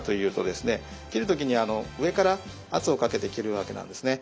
切る時に上から圧をかけて切るわけなんですね。